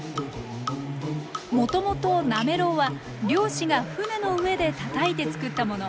もともとなめろうは漁師が船の上でたたいて作ったもの。